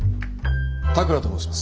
田倉と申します。